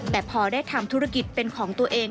แต่พอได้ทำธุรกิจเป็นของตัวเอง